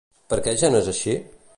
Per què ja no és així?